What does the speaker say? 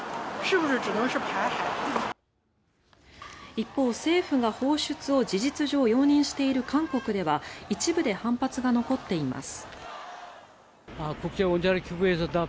一方、政府が放出を事実上容認している韓国では一部で反発が残っています。